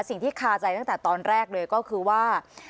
คาใจตั้งแต่ตอนแรกเลยก็คือว่า